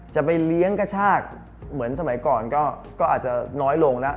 จะไปเลี้ยงกระชากเหมือนสมัยก่อนก็อาจจะน้อยลงแล้ว